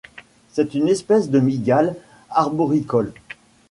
C'est une espèce de mygale arboricole.